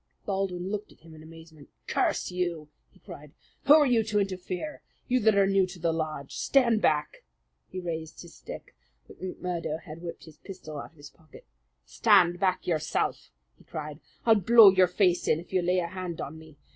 Baldwin looked at him in amazement. "Curse you!" he cried. "Who are you to interfere you that are new to the lodge? Stand back!" He raised his stick; but McMurdo had whipped his pistol out of his pocket. "Stand back yourself!" he cried. "I'll blow your face in if you lay a hand on me.